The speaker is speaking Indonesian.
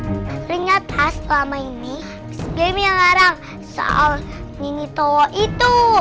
ternyata selama ini miss bemi yang larang soal nini tawa itu